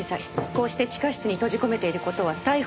こうして地下室に閉じ込めている事は逮捕監禁。